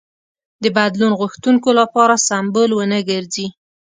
د بدلون غوښتونکو لپاره سمبول ونه ګرځي.